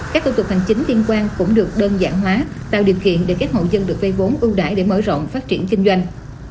các cơ tục hành chính tiên quan cũng được đơn giản hóa tạo điều khiển để các hộ dân được vây vốn ưu đải để mở rộng phát triển kinh doanh